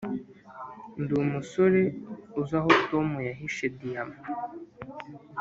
ndi umusore uzi aho tom yahishe diyama.